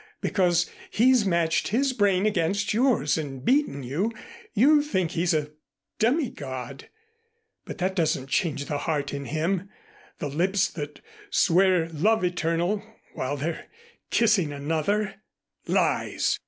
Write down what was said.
Because he's matched his brain against yours and beaten you, you think he's a demigod; but that doesn't change the heart in him, the lips that swear love eternal while they're kissing another " "Lies!"